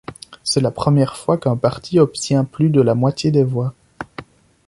C'est la première fois qu'un parti obtient plus de la moitié des voix.